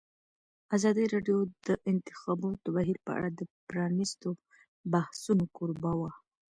ازادي راډیو د د انتخاباتو بهیر په اړه د پرانیستو بحثونو کوربه وه.